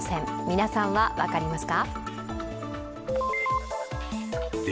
皆さんは分かりますか？